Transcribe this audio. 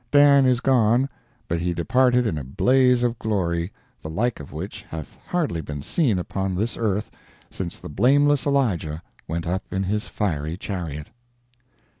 Dan is gone, but he departed in a blaze of glory, the like of which hath hardly been seen upon this earth since the blameless Elijah went up in his fiery chariot.